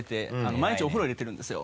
毎日お風呂入れてるんですよ。